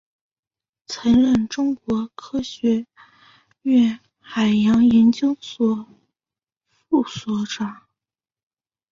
曾任中国科学院海洋研究所副所长。